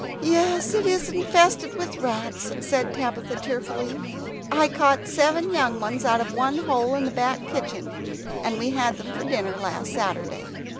"Yes, it is infested with rats," said Tabitha tearfully. "I caught seven young ones out of one hole in the back kitchen, and we had them for dinner last Saturday.